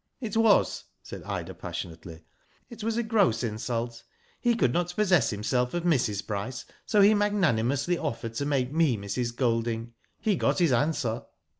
'' "It was," said Ida, passionately. "It was a gross insult. He could not possess himself of Mrs. Bryce, so he magnanimously offered to make me Mrs. Golding. He got his answer."